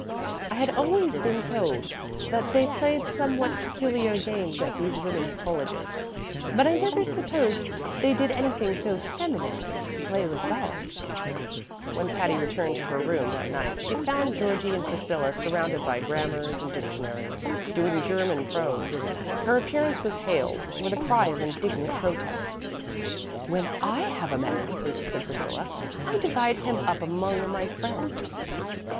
I had always been told that they played somewhat peculiar games at these women's colleges, but I never supposed they did anything so feminine as to play with dolls." [Illustration: Mr. Algernon Vivian Todhunter, gingerly sitting on the edge of a chair] WHEN Patty returned to her room that night, she found Georgie and Priscilla surrounded by grammars and dictionaries, doing German prose. Her appearance was hailed with a cry of indignant protest. "When I have a man," said Priscilla, "I divide him up among my friends."